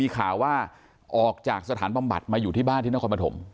ข่าวว่าออกจากสถานบำบัดมาอยู่ที่บ้านที่นครปฐม